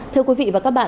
thưa quý vị và các bạn